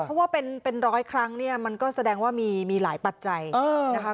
เพราะว่าเป็นร้อยครั้งเนี่ยมันก็แสดงว่ามีหลายปัจจัยนะคะ